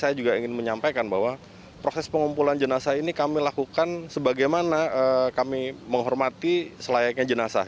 saya juga ingin menyampaikan bahwa proses pengumpulan jenazah ini kami lakukan sebagaimana kami menghormati selayaknya jenazah